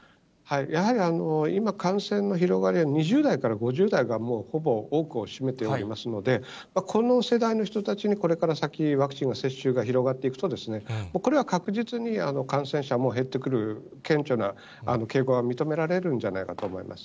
やはり今、感染の広がりは２０代から５０代がもうほぼ多くを占めておりますので、この世代の人たちに、これから先、ワクチンの接種が広がっていくと、これは確実に感染者も減ってくる、顕著な傾向が認められるんじゃないかと思います。